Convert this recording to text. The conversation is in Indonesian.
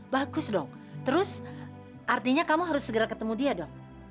bagus dong terus artinya kamu harus segera ketemu dia dong